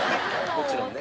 もちろんね。